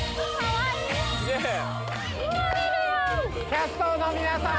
キャストの皆さん！